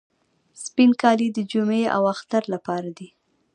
سپین کالي د جمعې او اختر لپاره دي.